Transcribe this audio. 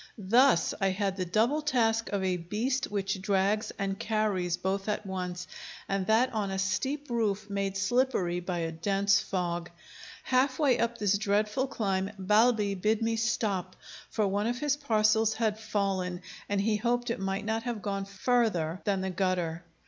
Thus I had the double task of a beast which drags and carries both at once, and that on a steep roof, made slippery by a dense fog. Half way up this dreadful climb, Balbi bid me stop, for one of his parcels had fallen, and he hoped it might not have gone further than the gutter.